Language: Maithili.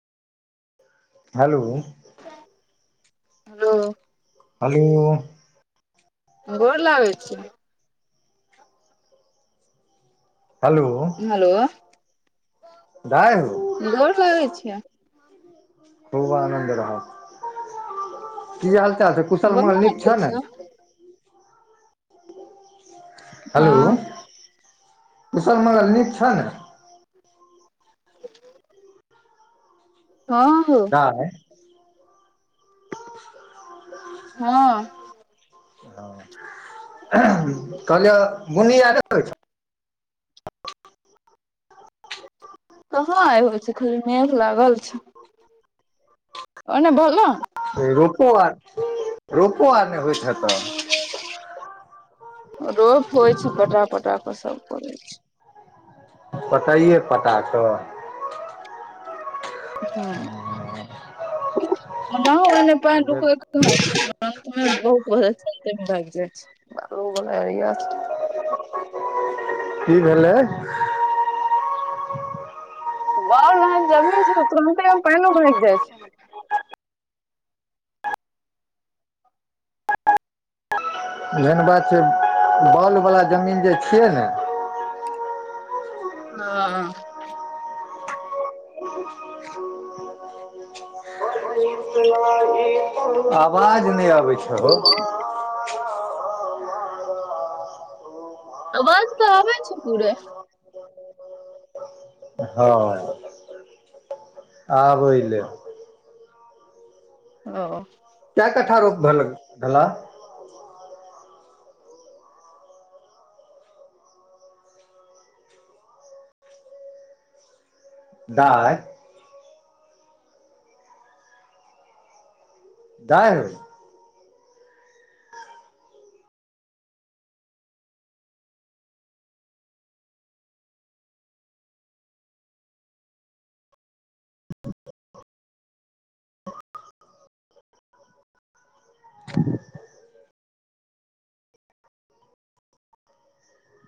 हेलो! हेलो! हेलो! गोर लागै छी! हेलो! हेलो! दाइ हौ- गोर लागय छियऽ खूब आनन्द रहऽ। की हाल चाल छै, कुशल-मंगल बोलू नीक छऽ ने? ठीकसँ हँ हेलो! कुशल मंगल नीक छऽ ने? तॅं दाइ! [unintelligible] हँ हॅं, कहलियऽ बुन्नी आर [unintelligible] होइ छऽ? कहाँ आइ होए छै, खाली मेघ लागल छै [unintelligible] ओने भेलऽ? रोपो आर रोपो आर नहि होइत हेतऽ रोप होइ छै, पटा-पटा कऽ सभ करै छै पटाइए पटा कऽ? हँ, [unintelligible] पानि [unintelligible] भागि जाइ छै। ऊ बला एरिया छै। की भेलै? बाउल नहैत जमीन छै तॅं तुरन्तेमे पाइनो भागि जाइ छै एहन बात छै बाउल बला जमीन जे छियै ने हंऽ [unintelligible] [unintelligible] आवाज नहि अबै छ हौ अवाज तऽ आबय छै पूरे [inaudible] हँ हं ओय लेल अ कै कट्ठा रोप भेल भेला दाई दाय [unintelligible]